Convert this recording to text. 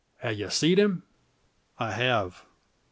Have ye seed him?" "I have."